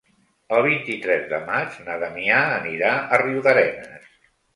El vint-i-tres de maig na Damià anirà a Riudarenes.